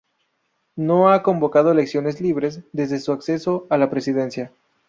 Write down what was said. No ha convocado elecciones libres desde su acceso a la presidencia.